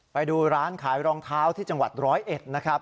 ไปดูร้านขายรองเท้าที่จังหวัดร้อยเอ็ดนะครับ